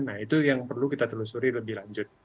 nah itu yang perlu kita telusuri lebih lanjut